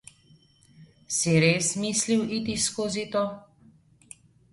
Si res mislil iti skozi to?